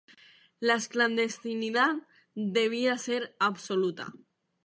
La clandestinidad debía ser absoluta.